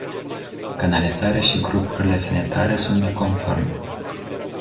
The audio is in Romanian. Canalizarea și grupurile sanitare sunt neconforme.